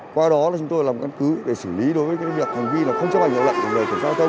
qua đó chúng tôi làm căn cứ để xử lý đối với việc ghi là không chấp hành lợi lợi của người kiểm soát thông